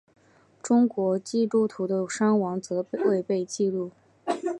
中国基督徒的伤亡则未被记录。